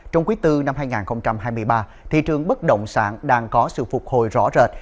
trong quý bốn năm hai nghìn hai mươi ba thị trường bất động sản đang có sự phục hồi rõ rệt